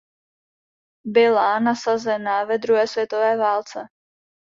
Byla nasazena ve druhé světové válce.